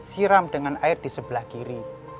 siram dengan air di sebelah kiri